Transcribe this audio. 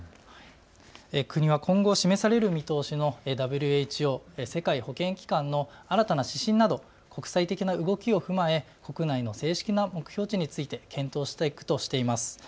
国は今後示される見通しのＷＨＯ・世界保健機関の新たな指針など国際的な動きを踏まえ国内の正式な目標値について検討していくとしています。